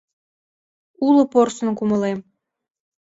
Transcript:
Уло порсын кумылем.